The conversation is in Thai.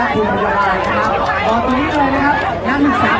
รวมถึงผู้ผิดหาจากซีนี่ด้วยพี่นิคนะครับ